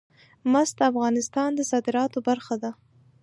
مس د افغانستان د صادراتو برخه ده.